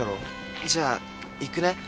じゃあ行くね。